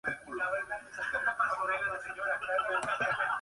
La ciudad de Arriaga se caracteriza por su fabricación.